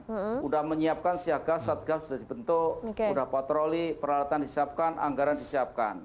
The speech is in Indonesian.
sudah menyiapkan siaga satgas sudah dibentuk sudah patroli peralatan disiapkan anggaran disiapkan